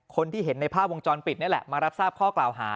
คนที่เห็นในภาพวงจรปิดนี่แหละมารับทราบข้อกล่าวหา